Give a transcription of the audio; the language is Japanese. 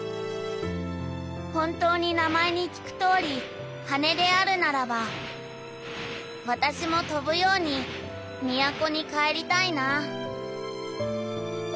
「本当に名前に聞くとおり羽であるならば私も飛ぶように都に帰りたいな」。